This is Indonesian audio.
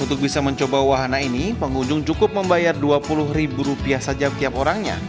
untuk bisa mencoba wahana ini pengunjung cukup membayar dua puluh ribu rupiah saja tiap orangnya